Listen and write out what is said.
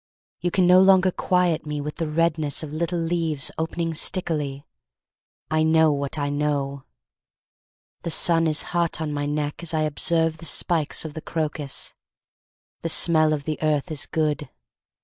You can no longer quiet me with the redness Of little leaves opening stickily. I know what I know. The sun is hot on my neck as I observe The spikes of the crocus. The smell of the earth is good.